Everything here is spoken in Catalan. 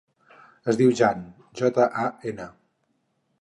Es diu Jan: jota, a, ena.